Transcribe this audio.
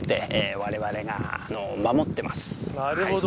なるほど。